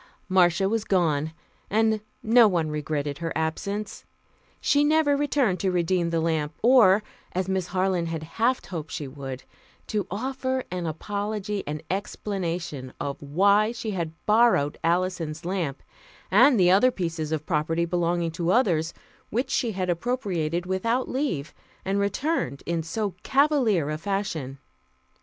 Marcia was gone, and no one regretted her absence. She never returned to redeem the lamp or, as Miss Harland had half hoped she would, to offer an apology and explanation of why she had "borrowed" Alison's lamp, and the other pieces of property belonging to others, which she had appropriated without leave, and returned in so cavalier a fashion.